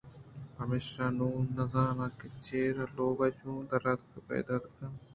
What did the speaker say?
پمیشا نوں نہ زاناں کہ چَرا لوگ ءَ چوں دراتگگ ءُ پیداکاں